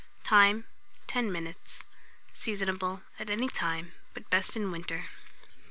Time. 10 minutes. Seasonable at any time, but best in winter.